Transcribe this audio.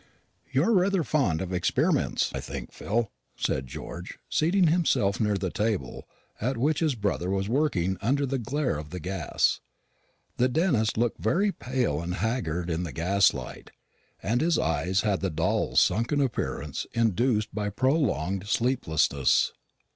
"You're rather fond of experiments, I think, Phil," said George, seating himself near the table at which his brother was working under the glare of the gas. The dentist looked very pale and haggard in the gas light, and his eyes had the dull sunken appearance induced by prolonged sleeplessness.